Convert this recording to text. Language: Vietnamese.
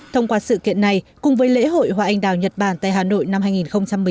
thông qua sự kiện này cùng với lễ hội hoa anh đào nhật bản tại hà nội năm hai nghìn một mươi chín